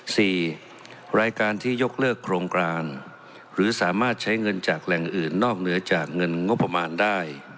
สี่รายการที่ยกเลิกโครงการหรือสามารถใช้เงินจากแหล่งอื่นนอกเหนือจากเงินงบประมาณได้